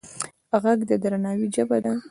غږ د درناوي ژبه ده